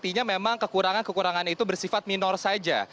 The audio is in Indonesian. artinya memang kekurangan kekurangan itu bersifat minor saja